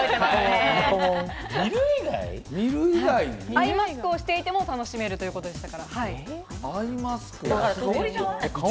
アイマスクをしていても楽しめるということです。